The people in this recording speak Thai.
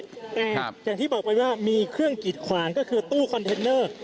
แต่อย่างที่บอกไปว่ามีเครื่องกิดขวางก็คือตู้คอนเทนเนอร์